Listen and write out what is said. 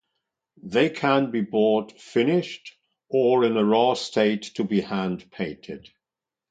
They can be bought finished or in a raw state to be hand-painted.